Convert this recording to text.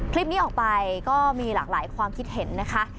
คลิปนี้ออกไปก็มีหลากหลายความคิดเห็นนะคะ